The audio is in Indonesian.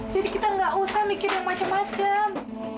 jadi kita gak usah mikir yang macem macem